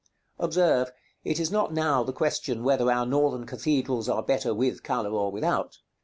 Observe, it is not now the question whether our Northern cathedrals are better with color or without.